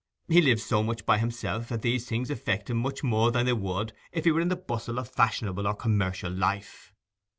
He lives so much by himself that these things affect him much more than they would if he were in the bustle of fashionable or commercial life.